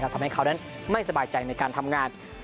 ทำให้เขานั้นไม่สบายใจในการทำงาน